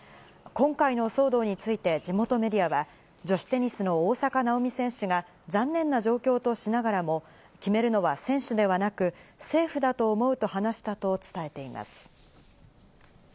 今回の騒動について、地元メディアは、女子テニスの大坂なおみ選手が、残念な状況としながらも、決めるのは選手ではなく、政府だと思うと話したと伝えています。